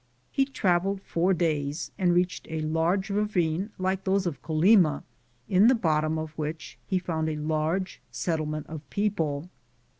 He traveled four days and reached a large ravine like those of Colima, 1 in the bottom of which he found a large settlement of people.